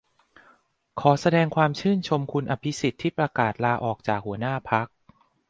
ขอแสดงความชื่นชมคุณอภิสิทธิ์ที่ประกาศลาออกจากหัวหน้าพรรค